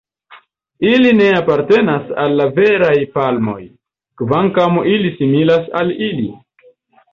Ili ne apartenas al la veraj palmoj, kvankam ili similas al ili.